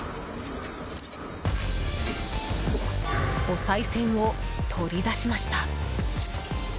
おさい銭を取り出しました。